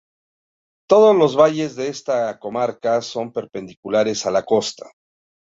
Todos los valles de esta comarca son perpendiculares a la costa.